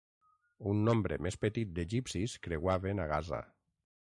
Un nombre més petit d'egipcis creuaven a Gaza.